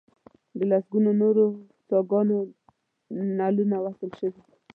د لسګونو نورو څاګانو نلونه وصل شوي.